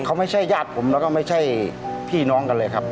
เขาไม่ใช่ญาติผมแล้วก็ไม่ใช่พี่น้องกันเลยครับ